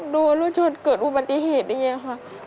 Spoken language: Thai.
ดูว่าร่วดชนเกิดอุปัติเหตุเอง